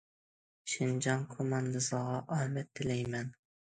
شىنجاڭ كوماندىسىغا ئامەت تىلەيمەن.